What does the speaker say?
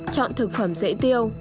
chọn thực phẩm dễ tiêu